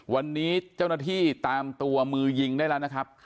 วันนี้เจ้าหน้าที่ตามตัวมือยิงได้แล้วนะครับ